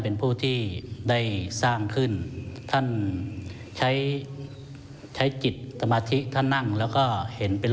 เป็นผู้ที่ได้สร้างขึ้นท่านใช้ใช้จิตสมาธิท่านนั่งแล้วก็เห็นเป็น